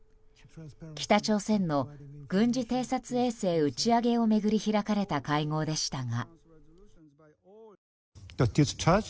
北朝鮮の軍事偵察衛星打ち上げを巡り、開かれた会合でしたが。